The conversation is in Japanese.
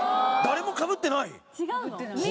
誰もかぶってない。